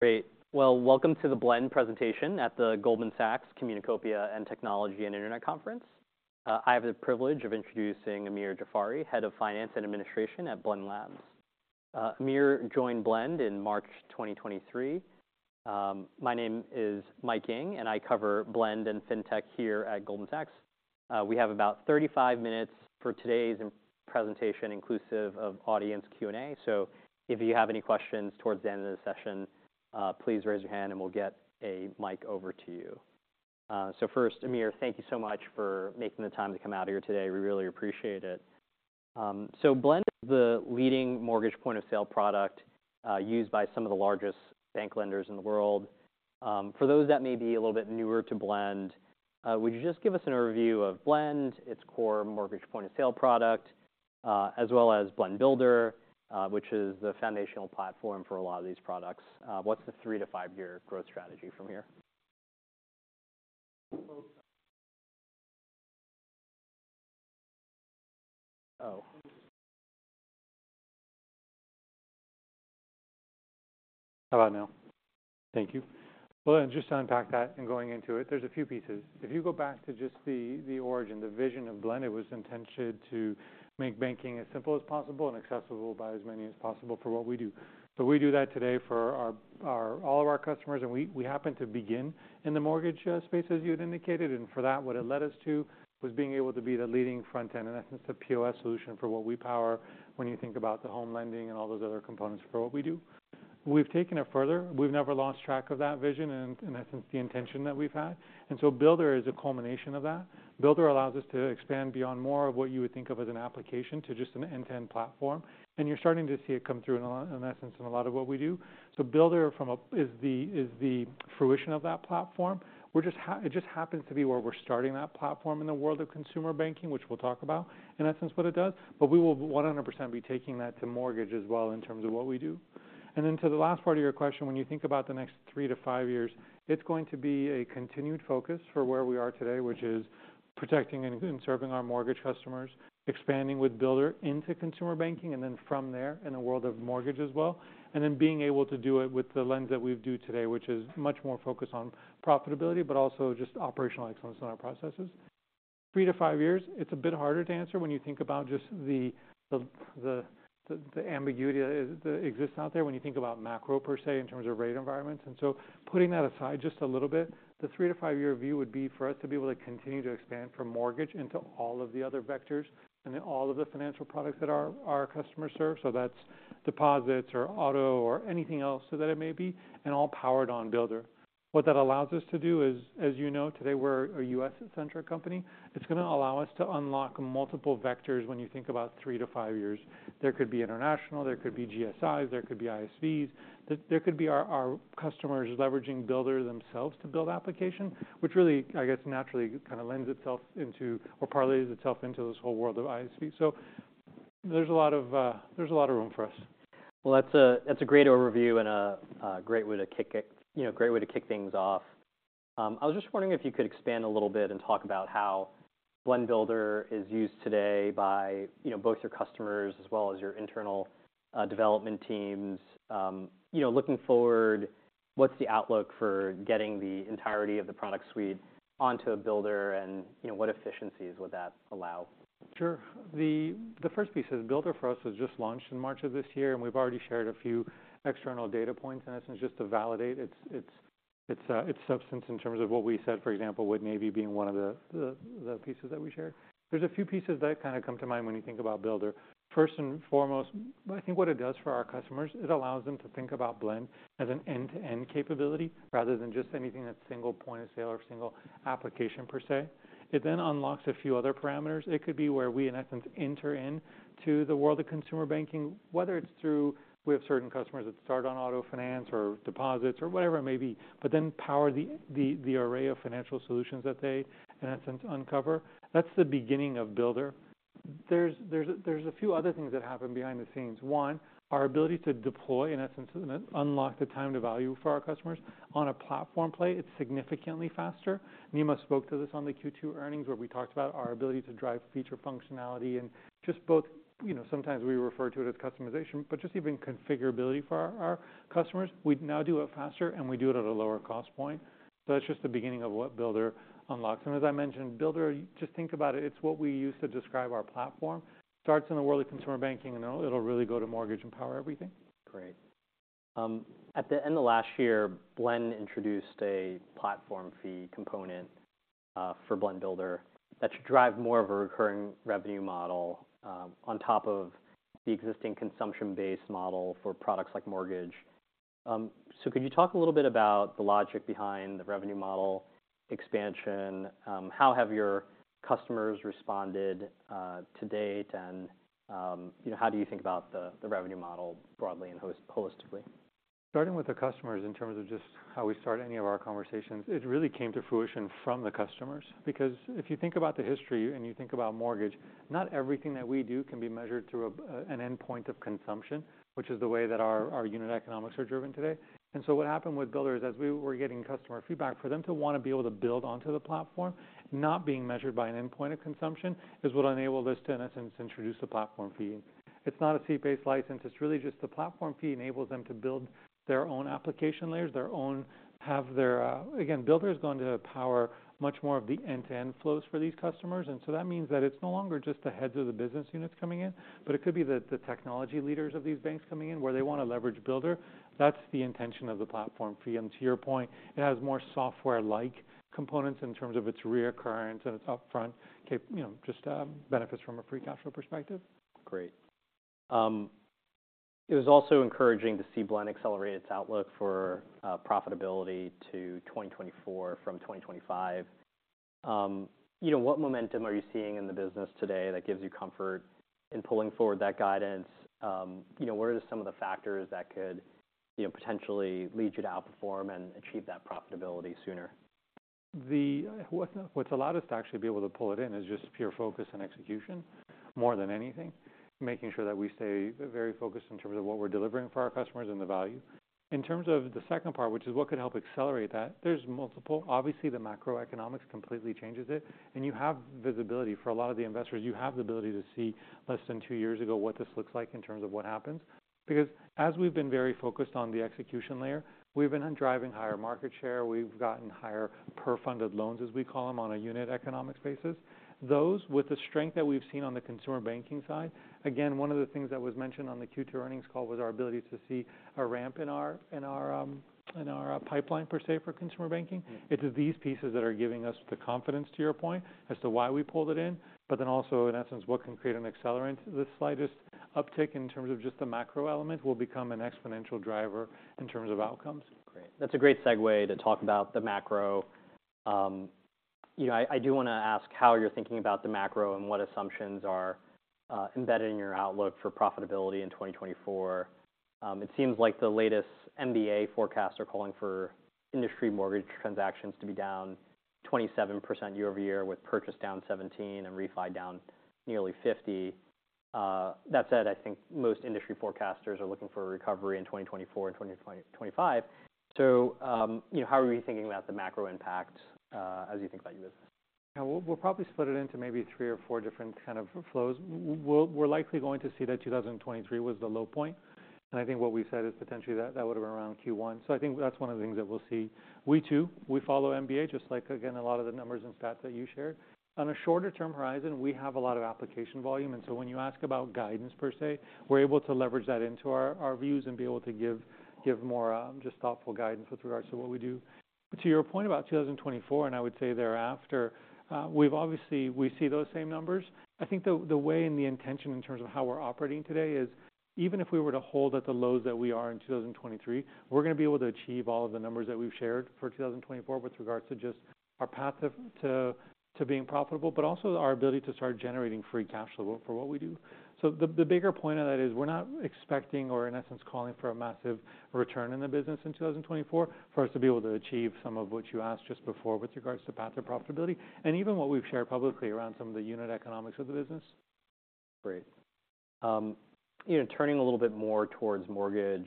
Great. Well, welcome to the Blend presentation at the Goldman Sachs Communacopia + Technology Conference. I have the privilege of introducing Amir Jafari, Head of Finance and Administration at Blend Labs. Amir joined Blend in March 2023. My name is Mike Ng, and I cover Blend and Fintech here at Goldman Sachs. We have about 35 minutes for today's presentation, inclusive of audience Q&A. So if you have any questions towards the end of the session, please raise your hand and we'll get a mic over to you. So first, Amir, thank you so much for making the time to come out here today. We really appreciate it. So Blend is the leading mortgage point-of-sale product used by some of the largest bank lenders in the world. For those that may be a little bit newer to Blend, would you just give us an overview of Blend, its core mortgage point-of-sale product, as well as Blend Builder, which is the foundational platform for a lot of these products? What's the three to five year growth strategy from here? Oh. How about now? Thank you. Well, just to unpack that and going into it, there's a few pieces. If you go back to just the origin, the vision of Blend, it was intended to make banking as simple as possible and accessible by as many as possible for what we do. So we do that today for all of our customers, and we happened to begin in the mortgage space, as you had indicated. And for that, what it led us to was being able to be the leading front-end, in essence, the POS solution for what we power when you think about the home lending and all those other components for what we do. We've taken it further. We've never lost track of that vision and, in essence, the intention that we've had, and so Builder is a culmination of that. Builder allows us to expand beyond more of what you would think of as an application to just an end-to-end platform, and you're starting to see it come through in a lot, in essence, in a lot of what we do. So Builder is the fruition of that platform. We're just it just happens to be where we're starting that platform in the world of consumer banking, which we'll talk about, in essence, what it does. But we will 100% be taking that to mortgage as well in terms of what we do. And then to the last part of your question, when you think about the next three to five years, it's going to be a continued focus for where we are today, which is protecting and serving our mortgage customers, expanding with Builder into consumer banking, and then from there, in the world of mortgage as well, and then being able to do it with the lens that we do today, which is much more focused on profitability, but also just operational excellence in our processes. Three to five years, it's a bit harder to answer when you think about just the ambiguity that exists out there when you think about macro per se, in terms of rate environments. Putting that aside just a little bit, the three to five year view would be for us to be able to continue to expand from mortgage into all of the other vectors and then all of the financial products that our, our customers serve, so that's deposits or auto or anything else so that it may be, and all powered on Builder. What that allows us to do is, as you know, today, we're a U.S.-centric company. It's gonna allow us to unlock multiple vectors when you think about three to five years. There could be international, there could be GSIs, there could be ISVs, there could be our, our customers leveraging Builder themselves to build application, which really, I guess, naturally kind of lends itself into or parlays itself into this whole world of ISV. So there's a lot of, there's a lot of room for us. Well, that's a great overview and a great way to kick things off. You know, I was just wondering if you could expand a little bit and talk about how Blend Builder is used today by, you know, both your customers as well as your internal development teams. You know, looking forward, what's the outlook for getting the entirety of the product suite onto a Builder, and, you know, what efficiencies would that allow? Sure. The first piece is Builder for us was just launched in March of this year, and we've already shared a few external data points, in essence, just to validate its substance in terms of what we said, for example, with Navy being one of the pieces that we shared. There's a few pieces that kind of come to mind when you think about Builder. First and foremost, I think what it does for our customers, it allows them to think about Blend as an end-to-end capability, rather than just anything that's single point-of-sale or single application per se. It then unlocks a few other parameters. It could be where we, in essence, enter in to the world of consumer banking, whether it's through...We have certain customers that start on auto finance or deposits or whatever it may be, but then power the array of financial solutions that they, in essence, uncover. That's the beginning of Builder. There's a few other things that happen behind the scenes. One, our ability to deploy, in essence, and unlock the time to value for our customers. On a platform play, it's significantly faster. Nima spoke to this on the Q2 earnings, where we talked about our ability to drive feature functionality and just both... You know, sometimes we refer to it as customization, but just even configurability for our customers. We now do it faster, and we do it at a lower cost point. So that's just the beginning of what Builder unlocks. And as I mentioned, Builder, just think about it, it's what we use to describe our platform. Starts in the world of consumer banking, and then it'll really go to mortgage and power everything. Great. At the end of last year, Blend introduced a platform fee component for Blend Builder that should drive more of a recurring revenue model on top of the existing consumption-based model for products like mortgage. So could you talk a little bit about the logic behind the revenue model expansion? How have your customers responded to date? And you know, how do you think about the revenue model broadly and holistically? ... Starting with the customers in terms of just how we start any of our conversations, it really came to fruition from the customers. Because if you think about the history and you think about mortgage, not everything that we do can be measured through an endpoint of consumption, which is the way that our unit economics are driven today. And so what happened with Builders, as we were getting customer feedback, for them to want to be able to build onto the platform, not being measured by an endpoint of consumption, is what enabled us to, in essence, introduce the platform fee. It's not a seat-based license, it's really just the platform fee enables them to build their own application layers, their own, have their... Again, Builder is going to power much more of the end-to-end flows for these customers. And so that means that it's no longer just the heads of the business units coming in, but it could be the technology leaders of these banks coming in, where they want to leverage Builder. That's the intention of the platform fee. And to your point, it has more software-like components in terms of its reoccurrence, and it's upfront you know, just, benefits from a free cash flow perspective. Great. It was also encouraging to see Blend accelerate its outlook for profitability to 2024 from 2025. You know, what momentum are you seeing in the business today that gives you comfort in pulling forward that guidance? You know, what are some of the factors that could potentially lead you to outperform and achieve that profitability sooner? What, what's allowed us to actually be able to pull it in is just pure focus and execution, more than anything. Making sure that we stay very focused in terms of what we're delivering for our customers and the value. In terms of the second part, which is what could help accelerate that, there's multiple. Obviously, the macroeconomics completely changes it, and you have visibility. For a lot of the investors, you have the ability to see less than two years ago, what this looks like in terms of what happens. Because as we've been very focused on the execution layer, we've been on driving higher market share. We've gotten higher per funded loans, as we call them, on a unit economics basis. Those, with the strength that we've seen on the consumer banking side... Again, one of the things that was mentioned on the Q2 earnings call was our ability to see a ramp in our pipeline, per se, for consumer banking. Mm-hmm. It is these pieces that are giving us the confidence, to your point, as to why we pulled it in, but then also, in essence, what can create an accelerant. The slightest uptick in terms of just the macro element will become an exponential driver in terms of outcomes. Great. That's a great segue to talk about the macro. You know, I do wanna ask how you're thinking about the macro and what assumptions are embedded in your outlook for profitability in 2024. It seems like the latest MBA forecasts are calling for industry mortgage transactions to be down 27% year-over-year, with purchase down 17%, and refi down nearly 50%. That said, I think most industry forecasters are looking for a recovery in 2024 and 2025. So, you know, how are we thinking about the macro impact, as you think about your business? Yeah, we'll probably split it into maybe three or four different kind of flows. We're likely going to see that 2023 was the low point, and I think what we said is potentially that would've been around Q1. So I think that's one of the things that we'll see. We, too, follow MBA, just like, again, a lot of the numbers and stats that you shared. On a shorter-term horizon, we have a lot of application volume, and so when you ask about guidance per se, we're able to leverage that into our views and be able to give more just thoughtful guidance with regards to what we do. To your point about 2024, and I would say thereafter, we've obviously we see those same numbers. I think the way and the intention in terms of how we're operating today is, even if we were to hold at the lows that we are in 2023, we're gonna be able to achieve all of the numbers that we've shared for 2024, with regards to just our path to being profitable, but also our ability to start generating free cash flow for what we do. So the bigger point of that is, we're not expecting or, in essence, calling for a massive return in the business in 2024, for us to be able to achieve some of what you asked just before with regards to path or profitability, and even what we've shared publicly around some of the unit economics of the business. Great. You know, turning a little bit more towards mortgage,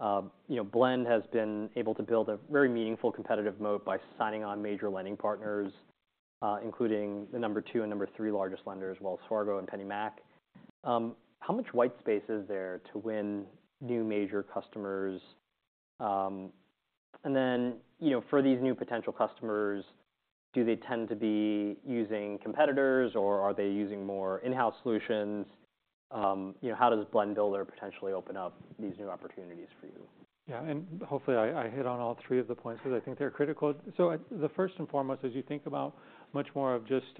you know, Blend has been able to build a very meaningful competitive moat by signing on major lending partners, including the number two and number three largest lenders, Wells Fargo and PennyMac. How much white space is there to win new major customers? And then, you know, for these new potential customers, do they tend to be using competitors, or are they using more in-house solutions? You know, how does Blend Builder potentially open up these new opportunities for you? Yeah, and hopefully I hit on all three of the points, because I think they're critical. So the first and foremost, as you think about much more of just,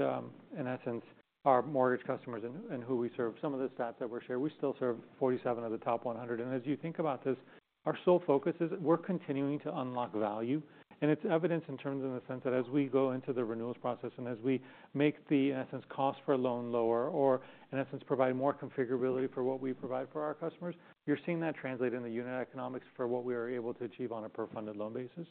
in essence, our mortgage customers and who we serve, some of the stats that were shared, we still serve 47 of the top 100. And as you think about this, our sole focus is we're continuing to unlock value, and it's evident in terms of the sense that as we go into the renewals process and as we make the, in essence, cost for a loan lower or, in essence, provide more configurability for what we provide for our customers, you're seeing that translate into unit economics for what we are able to achieve on a per funded loan basis.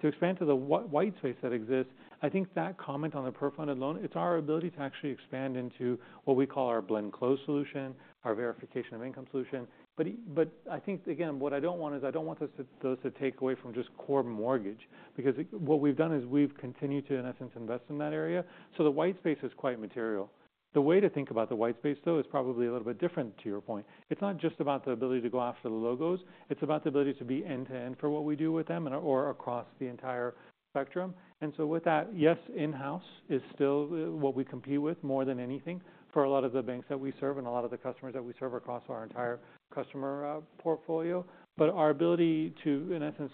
To expand to the white space that exists, I think that comment on the per funded loan, it's our ability to actually expand into what we call our Blend Close solution, our verification of income solution. But I think, again, what I don't want is, I don't want us to those to take away from just core mortgage, because it what we've done is we've continued to, in essence, invest in that area. So the white space is quite material. The way to think about the white space, though, is probably a little bit different, to your point. It's not just about the ability to go after the logos. It's about the ability to be end-to-end for what we do with them and/or across the entire spectrum. So with that, yes, in-house is still what we compete with more than anything for a lot of the banks that we serve and a lot of the customers that we serve across our entire customer portfolio. But our ability to, in essence,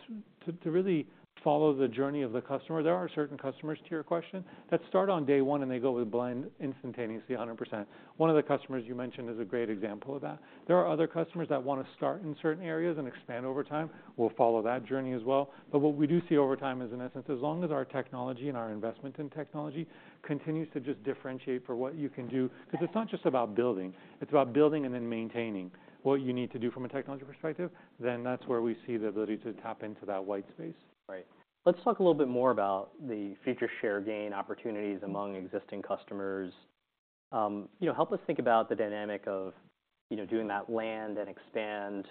really follow the journey of the customer, there are certain customers, to your question, that start on day one, and they go with Blend instantaneously, 100%. One of the customers you mentioned is a great example of that. There are other customers that wanna start in certain areas and expand over time. We'll follow that journey as well. But what we do see over time is, in essence, as long as our technology and our investment in technology continues to just differentiate for what you can do... Because it's not just about building, it's about building and then maintaining what you need to do from a technology perspective, then that's where we see the ability to tap into that white space. Right. Let's talk a little bit more about the future share gain opportunities among existing customers. You know, help us think about the dynamic of, you know, doing that land and expand,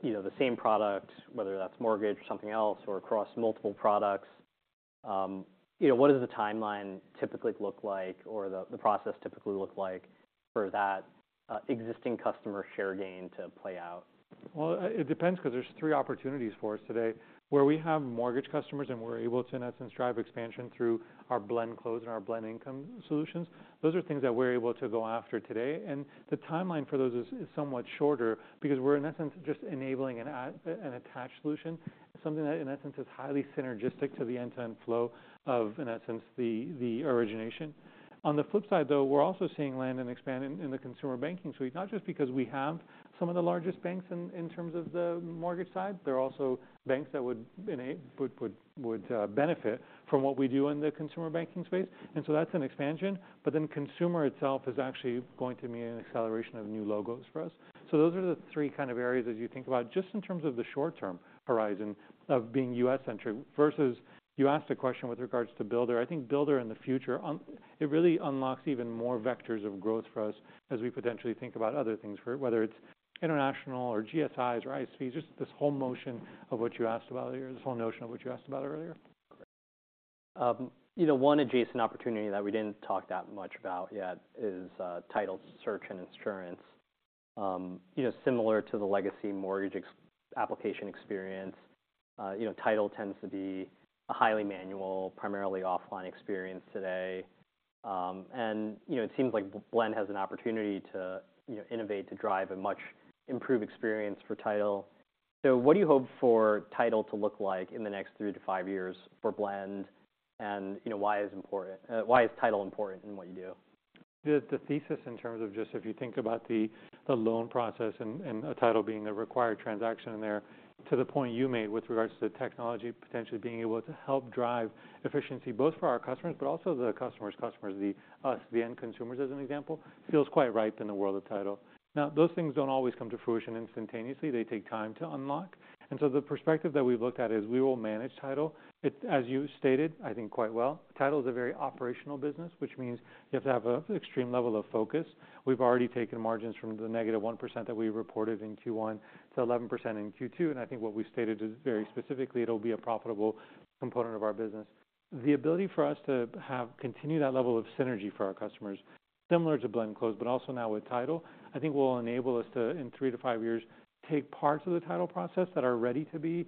you know, the same product, whether that's mortgage or something else, or across multiple products, you know, what does the timeline typically look like or the process typically look like for that, existing customer share gain to play out? Well, it depends, because there's three opportunities for us today. Where we have mortgage customers and we're able to, in essence, drive expansion through our Blend Close and our Blend Income solutions, those are things that we're able to go after today. And the timeline for those is somewhat shorter because we're, in essence, just enabling an attached solution, something that, in essence, is highly synergistic to the end-to-end flow of, in essence, the origination. On the flip side, though, we're also seeing land and expand in the consumer banking suite, not just because we have some of the largest banks in terms of the mortgage side. There are also banks that would benefit from what we do in the consumer banking space, and so that's an expansion. But then, consumer itself is actually going to mean an acceleration of new logos for us. So those are the three kind of areas as you think about, just in terms of the short-term horizon of being U.S.-centric, versus you asked a question with regards to Builder. I think Builder in the future, it really unlocks even more vectors of growth for us as we potentially think about other things for whether it's international or GSIs or ISVs, just this whole motion of what you asked about earlier, this whole notion of what you asked about earlier. You know, one adjacent opportunity that we didn't talk that much about yet is title search and insurance. You know, similar to the legacy mortgage application experience, title tends to be a highly manual, primarily offline experience today. And, you know, it seems like Blend has an opportunity to, you know, innovate, to drive a much improved experience for title. So what do you hope for title to look like in the next three to five years for Blend? And, you know, why is title important in what you do? The thesis in terms of just if you think about the loan process and a title being a required transaction in there, to the point you made with regards to the technology potentially being able to help drive efficiency, both for our customers but also the customer's customers, the U.S., the end consumers, as an example, feels quite ripe in the world of title. Now, those things don't always come to fruition instantaneously. They take time to unlock, and so the perspective that we've looked at is we will manage title. It, as you stated, I think quite well, title is a very operational business, which means you have to have an extreme level of focus. We've already taken margins from the -1% that we reported in Q1 to 11% in Q2, and I think what we've stated is very specifically, it'll be a profitable component of our business. The ability for us to have continue that level of synergy for our customers, similar to Blend Close, but also now with title, I think will enable us to, in three to five years, take parts of the title process that are ready to be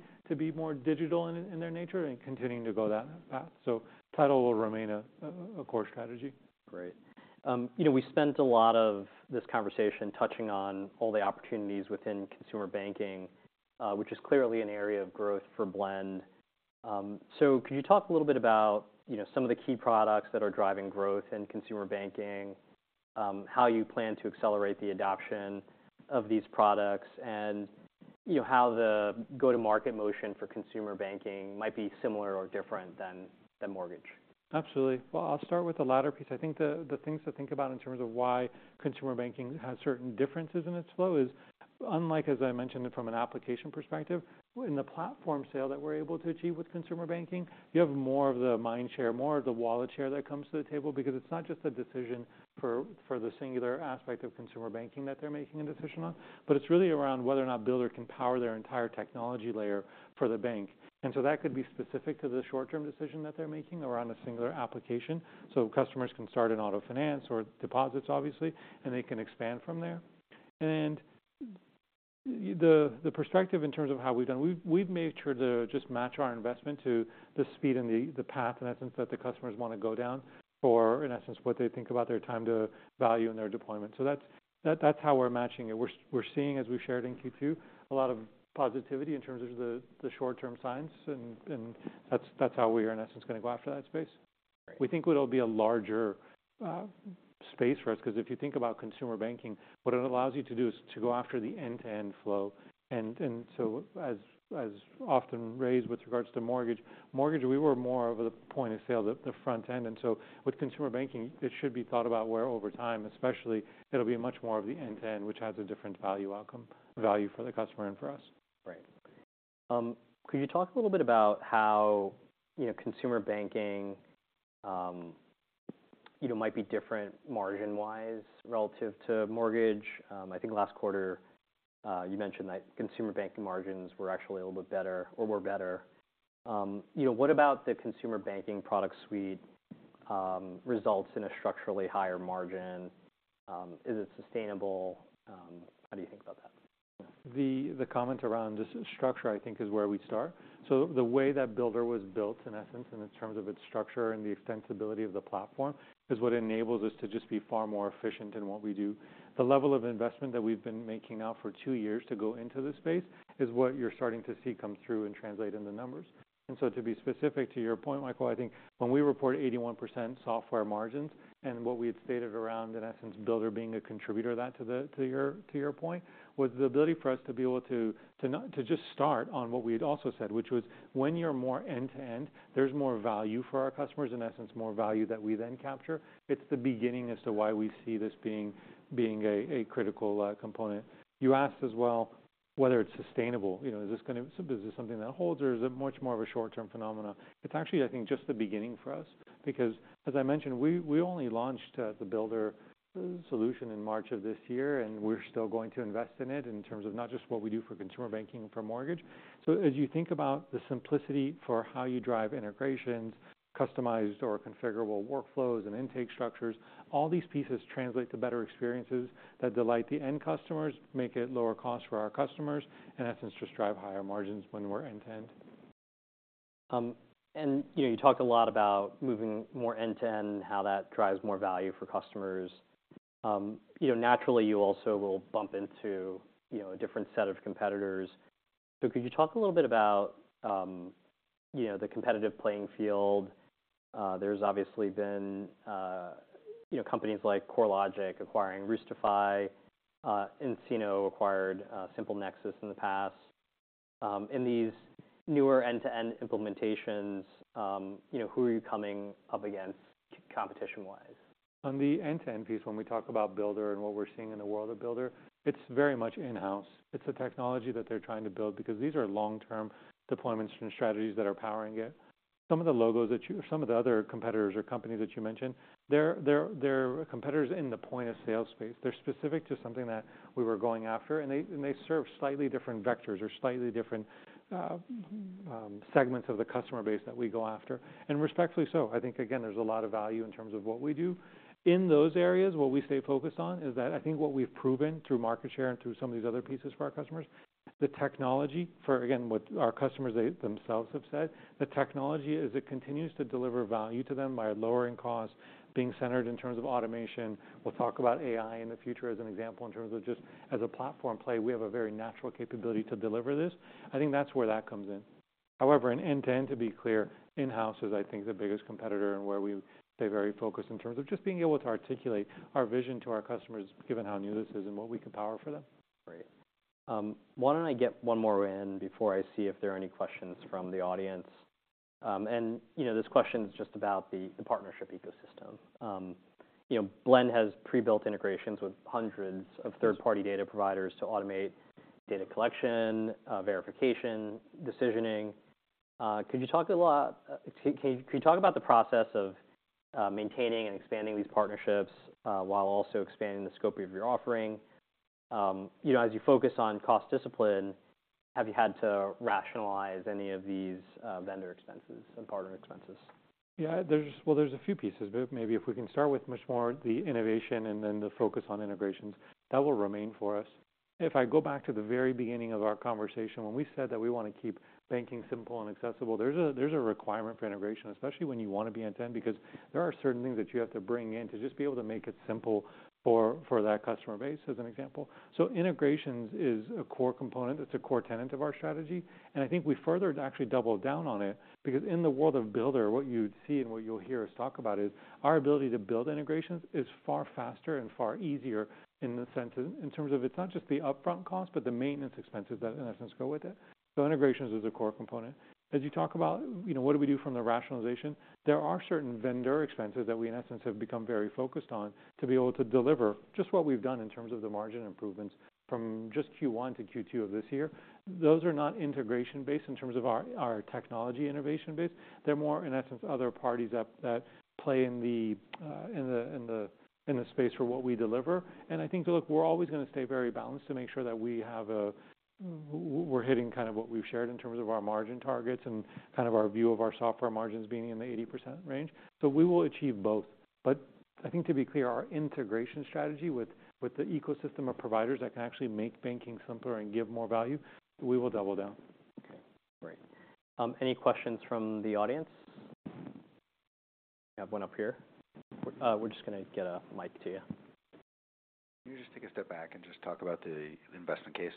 more digital in their nature and continuing to go that path. So title will remain a core strategy. Great. You know, we spent a lot of this conversation touching on all the opportunities within consumer banking, which is clearly an area of growth for Blend. So can you talk a little bit about, you know, some of the key products that are driving growth in consumer banking, how you plan to accelerate the adoption of these products, and, you know, how the go-to-market motion for consumer banking might be similar or different than mortgage? Absolutely. Well, I'll start with the latter piece. I think the things to think about in terms of why consumer banking has certain differences in its flow is, unlike, as I mentioned, from an application perspective, in the platform sale that we're able to achieve with consumer banking, you have more of the mind share, more of the wallet share that comes to the table. Because it's not just a decision for the singular aspect of consumer banking that they're making a decision on, but it's really around whether or not Builder can power their entire technology layer for the bank. And so that could be specific to the short-term decision that they're making or on a singular application. So customers can start in auto finance or deposits, obviously, and they can expand from there. And the perspective in terms of how we've done, we've made sure to just match our investment to the speed and the path, in essence, that the customers want to go down, or in essence, what they think about their time to value and their deployment. So that's how we're matching it. We're seeing, as we've shared in Q2, a lot of positivity in terms of the short-term signs, and that's how we are, in essence, gonna go after that space. Great. We think it'll be a larger space for us, because if you think about consumer banking, what it allows you to do is to go after the end-to-end flow. And so, as often raised with regards to mortgage, we were more of the point of sale, the front end. And so with consumer banking, it should be thought about where over time, especially, it'll be much more of the end-to-end, which has a different value outcome, value for the customer and for us. Right. Could you talk a little bit about how, you know, consumer banking, you know, might be different margin-wise relative to mortgage? I think last quarter, you mentioned that consumer banking margins were actually a little bit better or were better. You know, what about the consumer banking product suite results in a structurally higher margin? Is it sustainable? How do you think about that? The comment around just structure, I think, is where we'd start. So the way that Builder was built, in essence, and in terms of its structure and the extensibility of the platform, is what enables us to just be far more efficient in what we do. The level of investment that we've been making now for two years to go into this space is what you're starting to see come through and translate in the numbers. And so to be specific to your point, Michael, I think when we report 81% software margins and what we had stated around, in essence, Builder being a contributor to that, to the—to your, to your point, was the ability for us to be able to, to not—to just start on what we had also said, which was, when you're more end-to-end, there's more value for our customers, in essence, more value that we then capture. It's the beginning as to why we see this being a critical component. You asked as well, whether it's sustainable. You know, is this gonna... Is this something that holds, or is it much more of a short-term phenomena? It's actually, I think, just the beginning for us because, as I mentioned, we only launched the Builder solution in March of this year, and we're still going to invest in it in terms of not just what we do for consumer banking and for mortgage. So as you think about the simplicity for how you drive integrations, customized or configurable workflows and intake structures, all these pieces translate to better experiences that delight the end customers, make it lower cost for our customers, and in essence, just drive higher margins when we're end-to-end. And you know, you talk a lot about moving more end-to-end, how that drives more value for customers. You know, naturally, you also will bump into, you know, a different set of competitors. So could you talk a little bit about, you know, the competitive playing field? There's obviously been, you know, companies like CoreLogic acquiring Roostify, nCino acquired SimpleNexus in the past. In these newer end-to-end implementations, you know, who are you coming up against competition-wise? On the end-to-end piece, when we talk about Builder and what we're seeing in the world of Builder, it's very much in-house. It's a technology that they're trying to build because these are long-term deployments and strategies that are powering it. Some of the other competitors or companies that you mentioned, they're competitors in the point-of-sale space. They're specific to something that we were going after, and they serve slightly different vectors or slightly different segments of the customer base that we go after, and respectfully so. I think, again, there's a lot of value in terms of what we do. In those areas, what we stay focused on is that I think what we've proven through market share and through some of these other pieces for our customers, the technology for, again, what our customers they themselves have said, the technology as it continues to deliver value to them by lowering costs, being centered in terms of automation. We'll talk about AI in the future as an example, in terms of just as a platform play, we have a very natural capability to deliver this. I think that's where that comes in. However, in end-to-end, to be clear, in-house is, I think, the biggest competitor and where we stay very focused in terms of just being able to articulate our vision to our customers, given how new this is and what we can power for them. Great. Why don't I get one more in before I see if there are any questions from the audience? And, you know, this question is just about the partnership ecosystem. You know, Blend has pre-built integrations with hundreds of third-party data providers to automate data collection, verification, decisioning. Could you talk about the process of maintaining and expanding these partnerships while also expanding the scope of your offering? You know, as you focus on cost discipline, have you had to rationalize any of these vendor expenses and partner expenses? Yeah, there's... Well, there's a few pieces, but maybe if we can start with much more the innovation and then the focus on integrations, that will remain for us. If I go back to the very beginning of our conversation, when we said that we want to keep banking simple and accessible, there's a requirement for integration, especially when you want to be end-to-end, because there are certain things that you have to bring in to just be able to make it simple for that customer base, as an example. So integrations is a core component. It's a core tenet of our strategy, and I think we further actually doubled down on it. Because in the world of Builder, what you'd see and what you'll hear us talk about is our ability to build integrations is far faster and far easier in the sense, in terms of it's not just the upfront cost, but the maintenance expenses that in essence go with it. So integrations is a core component. As you talk about, you know, what do we do from the rationalization? There are certain vendor expenses that we, in essence, have become very focused on to be able to deliver just what we've done in terms of the margin improvements from just Q1 to Q2 of this year. Those are not integration based in terms of our technology innovation base. They're more, in essence, other parties that play in the space for what we deliver. I think, look, we're always going to stay very balanced to make sure that we have, we're hitting kind of what we've shared in terms of our margin targets and kind of our view of our software margins being in the 80% range. So we will achieve both. But I think to be clear, our integration strategy with the ecosystem of providers that can actually make banking simpler and give more value, we will double down. Okay, great. Any questions from the audience? I have one up here. We're just gonna get a mic to you. Can you just take a step back and just talk about the investment case?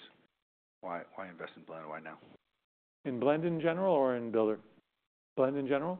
Why, why invest in Blend, and why now? In Blend in general or in Builder? Blend in general?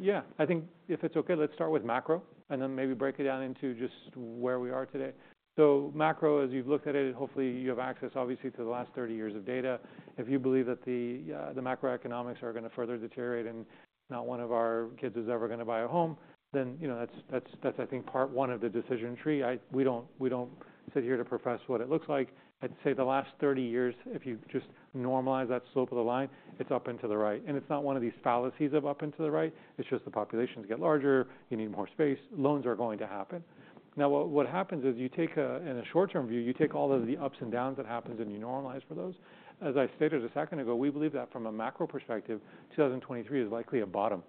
Yeah, I think if it's okay, let's start with macro and then maybe break it down into just where we are today. So macro, as you've looked at it, hopefully, you have access, obviously, to the last 30 years of data. If you believe that the macroeconomics are going to further deteriorate and not one of our kids is ever going to buy a home, then, you know, that's, that's, that's I think, part one of the decision tree. I... We don't, we don't sit here to profess what it looks like. I'd say the last 30 years, if you just normalize that slope of the line, it's up and to the right. And it's not one of these fallacies of up and to the right. It's just the populations get larger, you need more space, loans are going to happen. Now, what happens is you take, in a short-term view, you take all of the ups and downs that happens, and you normalize for those. As I stated a second ago, we believe that from a macro perspective, 2023 is likely a bottom.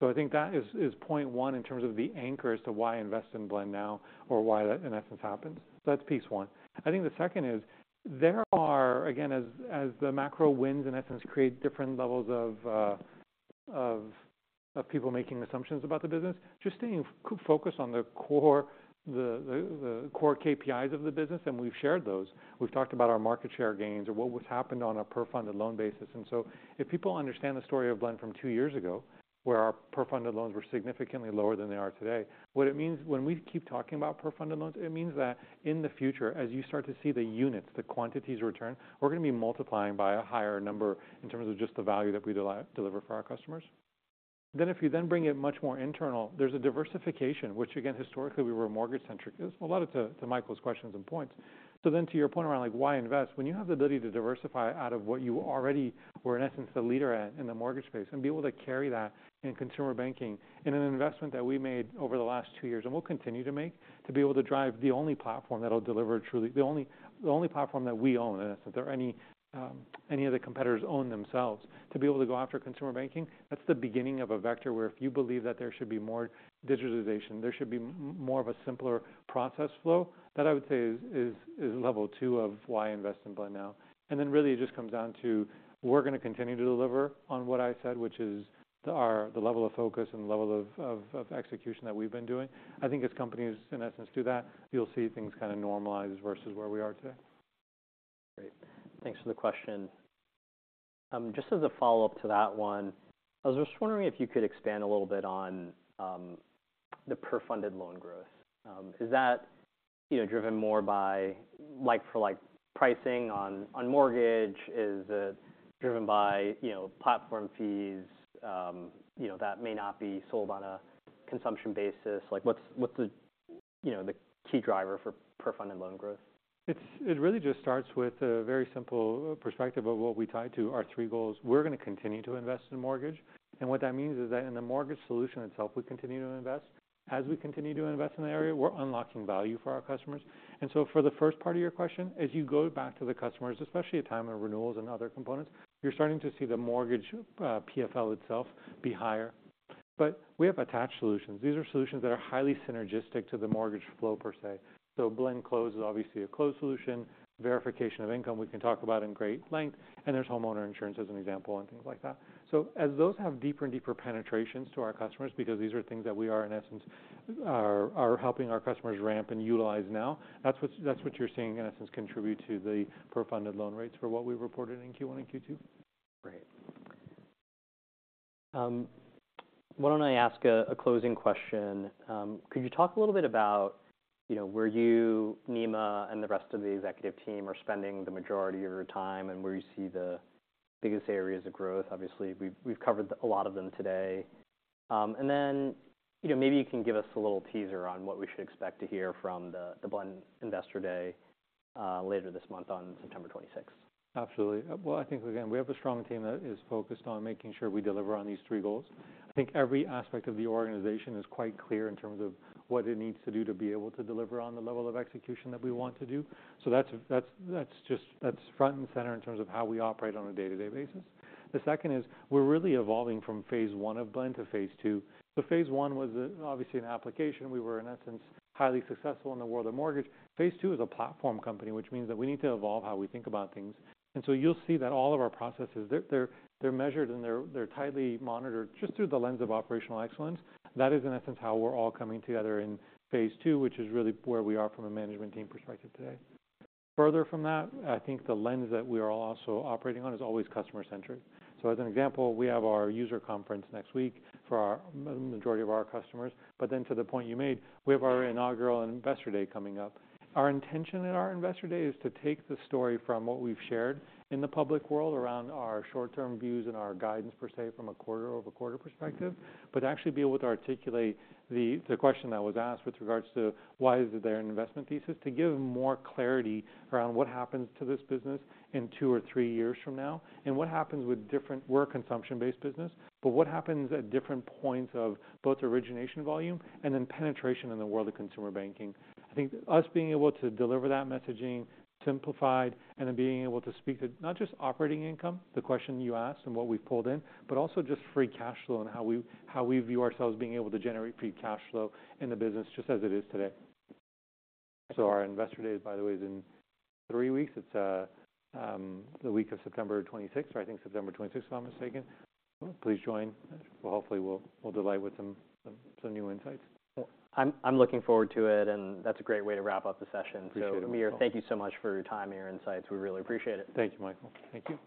So I think that is point one in terms of the anchor as to why invest in Blend now or why that, in essence, happens. So that's piece one. I think the second is, there are, again, as the macro winds, in essence, create different levels of people making assumptions about the business, just staying focused on the core KPIs of the business, and we've shared those. We've talked about our market share gains or what happened on a per-funded loan basis. And so if people understand the story of Blend from two years ago, where our per-funded loans were significantly lower than they are today, what it means when we keep talking about per-funded loans, it means that in the future, as you start to see the units, the quantities return, we're going to be multiplying by a higher number in terms of just the value that we deliver for our customers. Then, if you then bring it much more internal, there's a diversification, which again, historically, we were mortgage-centric. A lot of Michael's questions and points. So then to your point around, like, why invest? When you have the ability to diversify out of what you already were, in essence, the leader at in the mortgage space, and be able to carry that in consumer banking in an investment that we made over the last two years, and we'll continue to make, to be able to drive the only platform that'll deliver truly, the only, the only platform that we own, in essence, that any, any of the competitors own themselves, to be able to go after consumer banking, that's the beginning of a vector where if you believe that there should be more digitization, there should be more of a simpler process flow, that I would say is, is, is level two of why invest in Blend now. And then really, it just comes down to, we're gonna continue to deliver on what I said, which is our level of focus and the level of execution that we've been doing. I think as companies, in essence, do that, you'll see things kind of normalize versus where we are today. Great. Thanks for the question. Just as a follow-up to that one, I was just wondering if you could expand a little bit on the per funded loan growth. Is that, you know, driven more by like-for-like pricing on mortgage? Is it driven by, you know, platform fees, you know, that may not be sold on a consumption basis? Like, what's the, you know, the key driver for per funded loan growth? It really just starts with a very simple perspective of what we tie to our three goals. We're gonna continue to invest in mortgage, and what that means is that in the mortgage solution itself, we continue to invest. As we continue to invest in the area, we're unlocking value for our customers. And so for the first part of your question, as you go back to the customers, especially at time of renewals and other components, you're starting to see the mortgage PFL itself be higher. But we have attached solutions. These are solutions that are highly synergistic to the mortgage flow per se. So Blend Close is obviously a close solution, verification of income, we can talk about in great length, and there's homeowner insurance as an example, and things like that. So as those have deeper and deeper penetrations to our customers, because these are things that we are, in essence, helping our customers ramp and utilize now, that's what you're seeing, in essence, contribute to the per funded loan rates for what we reported in Q1 and Q2. Great. Why don't I ask a closing question? Could you talk a little bit about, you know, where you, Nima, and the rest of the executive team are spending the majority of your time, and where you see the biggest areas of growth? Obviously, we've, we've covered a lot of them today. And then, you know, maybe you can give us a little teaser on what we should expect to hear from the Blend Investor Day later this month on September 26th. Absolutely. Well, I think, again, we have a strong team that is focused on making sure we deliver on these three goals. I think every aspect of the organization is quite clear in terms of what it needs to do to be able to deliver on the level of execution that we want to do. So that's just front and center in terms of how we operate on a day-to-day basis. The second is, we're really evolving from phase one of Blend to phase two. So phase one was obviously an application. We were, in essence, highly successful in the world of mortgage. Phase two is a platform company, which means that we need to evolve how we think about things. And so you'll see that all of our processes, they're measured and they're tightly monitored just through the lens of operational excellence. That is, in essence, how we're all coming together in phase two, which is really where we are from a management team perspective today. Further from that, I think the lens that we are also operating on is always customer-centric. So as an example, we have our user conference next week for our majority of our customers, but then to the point you made, we have our inaugural Investor Day coming up. Our intention in our Investor Day is to take the story from what we've shared in the public world around our short-term views and our guidance, per se, from a quarter-over-quarter perspective, but actually be able to articulate the, the question that was asked with regards to: Why is there an investment thesis? To give more clarity around what happens to this business in two or three years from now, and what happens with different work consumption-based business, but what happens at different points of both origination volume and then penetration in the world of consumer banking. I think us being able to deliver that messaging simplified, and then being able to speak to not just operating income, the question you asked and what we've pulled in, but also just free cash flow and how we view ourselves being able to generate free cash flow in the business just as it is today. So our Investor Day, by the way, is in three weeks. It's the week of September 26th, or I think September 26th, if I'm not mistaken. Please join. Well, hopefully, we'll delight with some new insights. I'm looking forward to it, and that's a great way to wrap up the session. Appreciate it, Michael. Amir, thank you so much for your time and your insights. We really appreciate it. Thank you, Michael. Thank you.